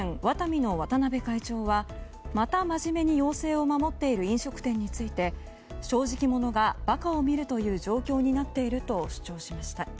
ワタミの渡辺会長はまた真面目に要請を守っている飲食店について正直者が馬鹿を見るという状況になっていると主張しました。